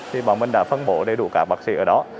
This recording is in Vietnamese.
thì bọn mình đã phân bổ đầy đủ các bác sĩ ở đó